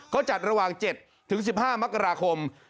เขาจัดระหว่าง๗ถึง๑๕มกราคม